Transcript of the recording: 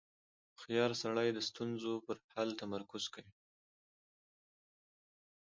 • هوښیار سړی د ستونزو پر حل تمرکز کوي.